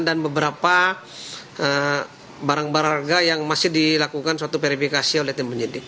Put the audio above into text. dan beberapa barang barang yang masih dilakukan suatu verifikasi oleh tim penyidik